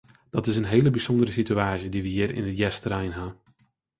Dat is in hele bysûndere situaasje dy't we hjir yn Easterein ha.